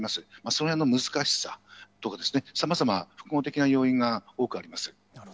そのへんの難しさとか、さまざまな複合的な要因があります。